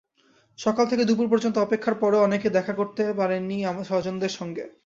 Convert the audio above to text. সকাল থেকে দুপুর পর্যন্ত অপেক্ষার পরেও অনেকে দেখা করতে পারেনি স্বজনের সঙ্গে।